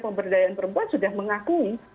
pemberdayaan perempuan sudah mengakui